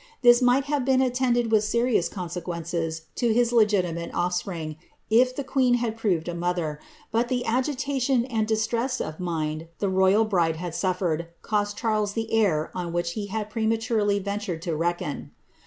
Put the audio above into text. Thii i might have been attended with serious consequences to his legitimate offspring, if the queen had proved a mother, but the agitation and dit tress of mind the royal bride had suffered, cost Charles the heir on whieli \ he had prematurely ventured to reckon.